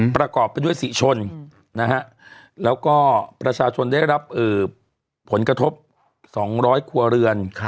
ประกอบไปด้วยศรีชนแล้วก็ประชาชนได้รับผลกระทบ๒๐๐ครัวเรือน